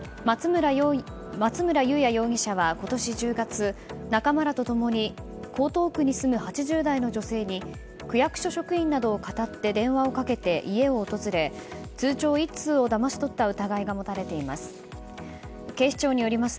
松村悠哉容疑者は今年１０月仲間らと共に江東区に住む８０代の女性に区役所職員などをかたって電話をかけて家を訪れ通帳１通をだまし取った疑いが持たれています。